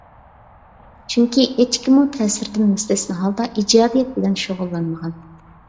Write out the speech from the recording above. چۈنكى ھېچكىممۇ تەسىردىن مۇستەسنا ھالدا ئىجادىيەت بىلەن شۇغۇللانمىغان.